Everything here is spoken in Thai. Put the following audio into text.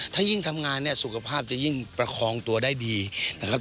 ถ้ายิ่งทำงานเนี่ยสุขภาพจะยิ่งประคองตัวได้ดีนะครับ